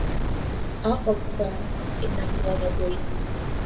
Аҟыԥҳәа инахәланагәеит.